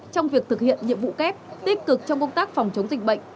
trong việc thực hiện nhiệm vụ kép tích cực trong công tác phòng chống dịch bệnh